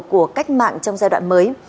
của cách mạng trong giai đoạn mới